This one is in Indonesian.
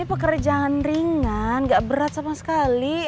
ini pekerjaan ringan gak berat sama sekali